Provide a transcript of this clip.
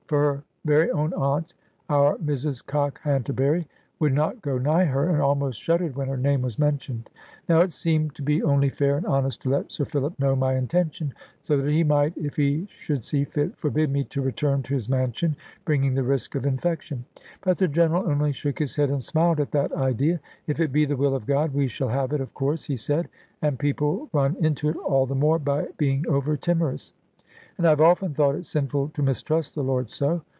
For her very own aunt, our Mrs Cockhanterbury, would not go nigh her, and almost shuddered when her name was mentioned. Now it seemed to be only fair and honest to let Sir Philip know my intention, so that he might (if he should see fit) forbid me to return to his mansion, bringing the risk of infection. But the General only shook his head, and smiled at that idea. "If it be the will of God, we shall have it, of course," he said; "and people run into it all the more by being over timorous. And I have often thought it sinful to mistrust the Lord so.